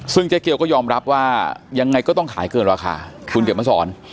ซึ่งเจ๊เกียวก็ยอมรับว่ายังไงก็ต้องขายเกินราคาคุณเขียนมาสอน